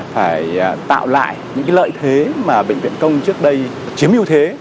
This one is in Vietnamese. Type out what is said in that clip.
phải tạo lại những cái lợi thế mà bệnh viện công trước đây chiếm yêu thế